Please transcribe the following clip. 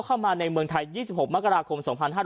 เข้ามาในเมืองไทย๒๖มกราคม๒๕๕๙